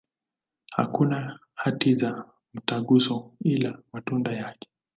Hakuna hati za mtaguso, ila matunda yake.